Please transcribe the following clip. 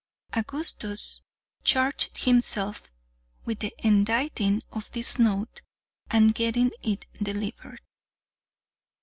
Augustus charged himself with the inditing of this note and getting it delivered.